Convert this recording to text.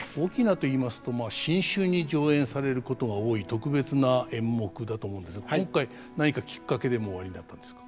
「翁」といいますと新春に上演されることが多い特別な演目だと思うんですが今回何かきっかけでもおありになったんですか？